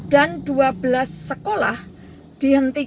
dan dua belas sekolah dihentikan